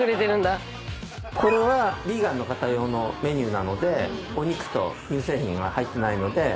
これはビーガンの方用のメニューなのでお肉と乳製品は入ってないので。